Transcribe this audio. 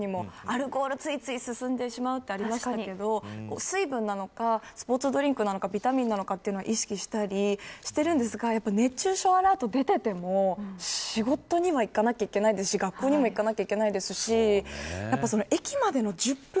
例えば、ＶＴＲにもアルコール、ついつい進んでしまうとありましたけど水分なのか、スポーツドリンクなのか、ビタミンなのかというのを意識したりしているんですが熱中症アラートが出ていても仕事には行かないといけないですし、学校には行かないといけないですし